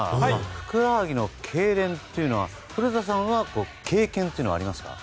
ふくらはぎのけいれんというのは古田さん、経験はありますか？